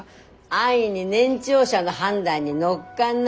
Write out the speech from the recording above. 安易に年長者の判断に乗っかんないの。